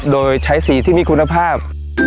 โดยใช้สีที่มีคุณภาพ